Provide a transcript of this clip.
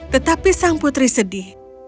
tetapi sang putri sedih